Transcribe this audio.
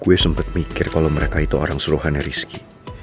gue sempat mikir kalau mereka itu orang suruhannya rizky